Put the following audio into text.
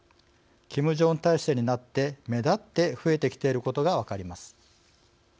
キム・ジョンウン体制になって目立って増えてきていることが分かります。